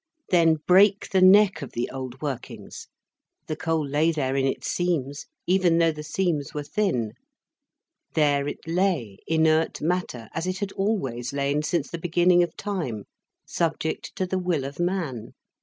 Then break the neck of the old workings. The coal lay there in its seams, even though the seams were thin. There it lay, inert matter, as it had always lain, since the beginning of time, subject to the will of man.